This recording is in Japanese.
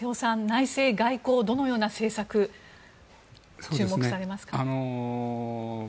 内政外交どのような政策に注目されますか？